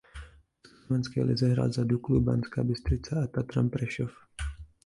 V československé lize hrál za Duklu Banská Bystrica a Tatran Prešov.